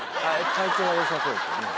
体調は良さそうですよね。